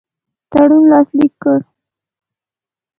تړون لاسلیک کړ.